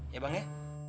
iya bang ya